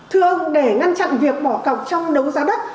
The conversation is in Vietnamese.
thưa ông để ngăn chặn việc bỏ cọc trong đấu giá đất